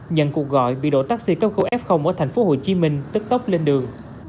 nhận cuộc gọi bị đội taxi cấp cứu f ở tp hcm tức tốc lên đường